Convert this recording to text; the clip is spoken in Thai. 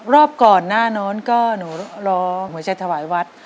รอบก่อนหน้านั้นก็หนูรอหัวใจถวายวัด